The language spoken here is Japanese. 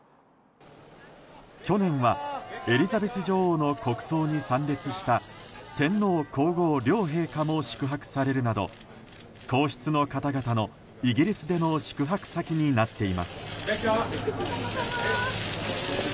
去年はエリザベス女王の国葬に参列した天皇・皇后両陛下も宿泊されるなど皇室の方々のイギリスでの宿泊先になっています。